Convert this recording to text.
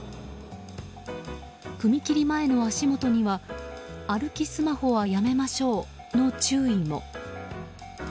踏切前の足元には、歩きスマホはやめましょうの注意も。